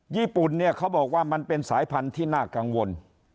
ญี่ปุ่นเนี่ยเขาบอกว่ามันเป็นสายพันธุ์ที่น่ากังวล